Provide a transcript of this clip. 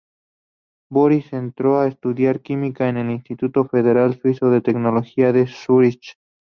Boris entró a estudiar química en el Instituto Federal Suizo de Tecnología, de Zürich.